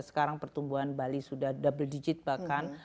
sekarang pertumbuhan bali sudah double digit bahkan